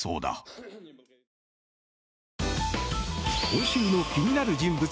今週の気になる人物